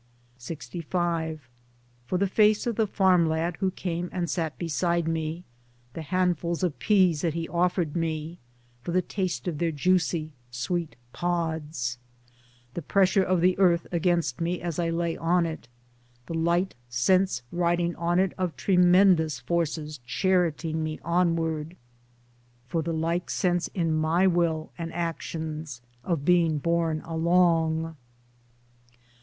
LXV For the face of the farm lad who came and sat beside me, the handfuls of pease that he offered me — for the taste of their juicy sweet pods ; Towards Democracy 103 The pressure of the Earth against me as I lay on it, the light sense riding on it of tremendous forces charioting me onward ; for the like sense in my will and actions, of being borne along